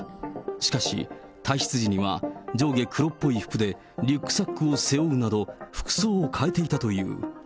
しかし、退室時には、上下黒っぽい服でリュックサックを背負うなど、服装を変えていたという。